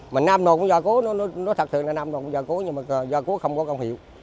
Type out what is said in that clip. mà năm nào cũng dọa cố thật sự là năm nào cũng dọa cố nhưng mà dọa cố không có công hiệu